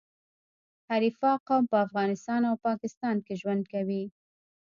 حریفال قوم په افغانستان او پاکستان کي ژوند کوي.